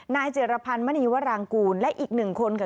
เจรพันธ์มณีวรางกูลและอีกหนึ่งคนค่ะ